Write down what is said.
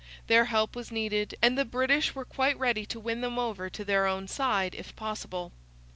Their help was needed, and the British were quite ready to win them over to their own side if possible.